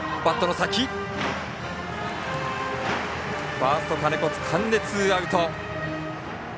ファーストの金子がつかんでツーアウト。